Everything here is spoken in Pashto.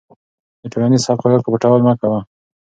د ټولنیزو حقایقو پټول مه کوه.